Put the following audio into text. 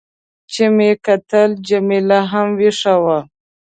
چې مې کتل، جميله هم وېښه وه.